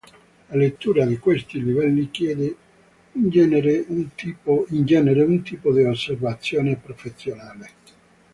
La lettura di questi livelli chiede in genere un tipo di osservazione professionale.